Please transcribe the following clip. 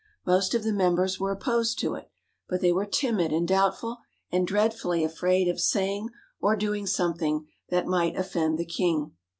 Most of the members were opposed to it, but they were timid and doubtful, and dreadfully afraid of saying or doing something that might offend the King.